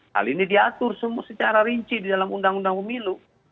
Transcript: hal ini diatur secara rinci di dalam undang undang pemilu